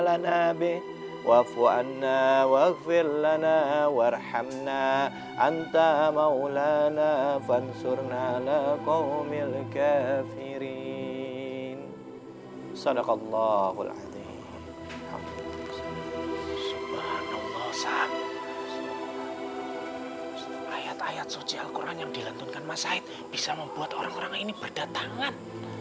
ayat suci al qur'an yang dilantunkan mas said bisa membuat orang orang ini berdatangan